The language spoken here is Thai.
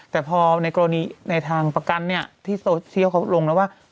แต่พอในกรณีในทางประกันเนี่ยที่โซเชียลเขาลงแล้วว่า